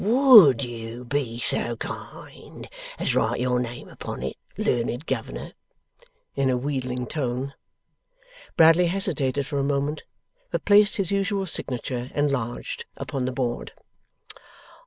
WOULD you be so kind as write your name upon it, learned governor?' (In a wheedling tone.) Bradley hesitated for a moment; but placed his usual signature, enlarged, upon the board.